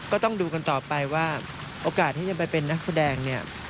ก็ต้องดูกันต่อไปว่าโอกาสที่จะไปเป็นนักแสดงเนี่ย